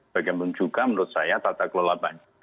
bagaimana juga menurut saya tata kelola banjir